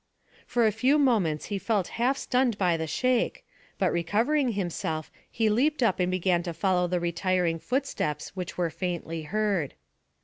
For a few moments he felt half stunned by the shake, but recovering himself he leaped up and began to follow the retiring footsteps which were faintly heard.